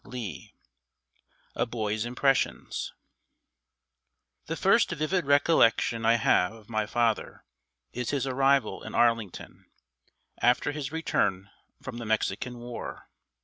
LEE A BOY'S IMPRESSIONS The first vivid recollection I have of my father is his arrival in Arlington, after his return from the Mexican War.